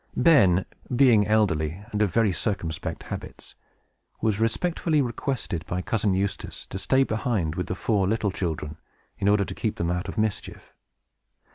Ben, being elderly, and of very circumspect habits, was respectfully requested, by Cousin Eustace, to stay behind with the four little children, in order to keep them out of mischief.